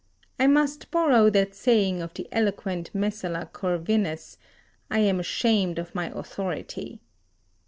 I must borrow that saying of the eloquent Messala Corvinus, I am ashamed of my authority.